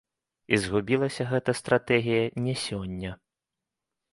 І згубілася гэта стратэгія не сёння.